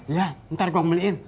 ya ntar kong beliin